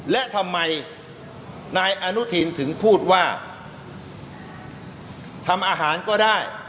และทำไมนายอนุทินถึงพูดว่าทำอาหารก็ได้